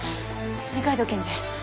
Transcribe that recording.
二階堂検事。